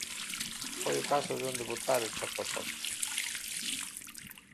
Foi o caso de onde botar o chapapote.